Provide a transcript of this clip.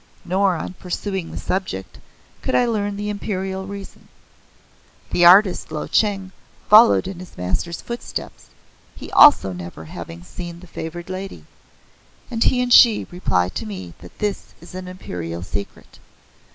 Nor, on pursuing the subject, could I learn the Imperial reason. The artist Lo Cheng follows in his Master's footsteps, he also never having seen the favored lady, and he and she reply to me that this is an Imperial secret.